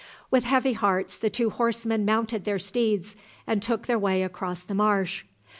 With heavy hearts the two horsemen mounted their steeds and took their way across the marsh.